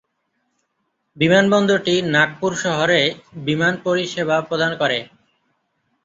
বিমানবন্দরটি নাগপুর শহরে বিমান পরিষেবা প্রদান করে।